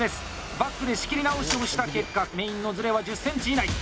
バックで仕切り直しをした結果メインのズレは１０ｃｍ以内！